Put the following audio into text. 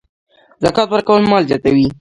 زکات ورکول مال زیاتوي.